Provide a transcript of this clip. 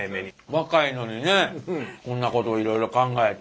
若いのにねこんなこといろいろ考えて。